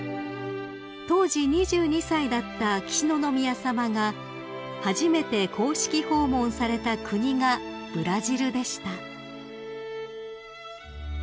［当時２２歳だった秋篠宮さまが初めて公式訪問された国がブラジルでした］